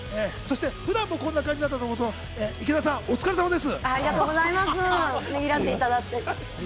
普段もこんな感じだと思うと、池田さん、お疲れさまです。